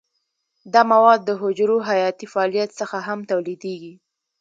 دا مواد د حجرو حیاتي فعالیت څخه هم تولیدیږي.